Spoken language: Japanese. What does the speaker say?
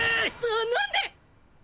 何で！？